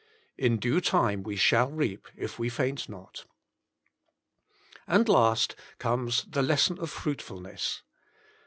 In due time we shall reap, if we faint not. And last comes the Lesson of Fruitfulness.